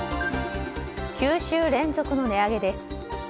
９週連続の値上げです。